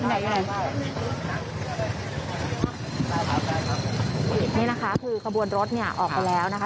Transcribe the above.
อันนี้นะคะคือขบวนรถออกไปแล้วนะคะ